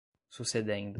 sucedendo